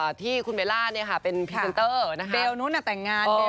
เอ่อที่คุณเบลล่าเนี้ยค่ะเป็นนะคะเป็นนู่นน่ะแต่งงาน